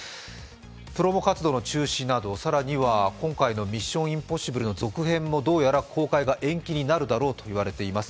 プロモ活動の中止など、更には「ミッション：インポッシブル」の続編もどうやら公開が延期になるだろうと言われています。